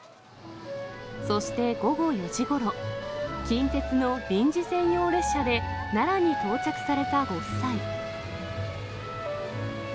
そして午後４時ごろ、近鉄の臨時専用列車で奈良に到着されたご夫妻。